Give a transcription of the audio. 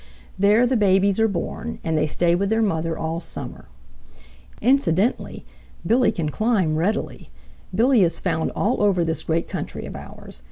There the babies are born, and they stay with their mother all summer. Incidentally, Billy can climb readily. Billy is found all over this great country of ours.